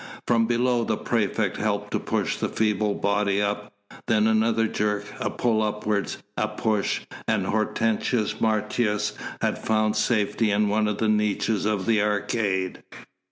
From below the praefect helped to push the feeble body up, then another jerk, a pull upwards, a push, and Hortensius Martius had found safety in one of the niches of the arcade.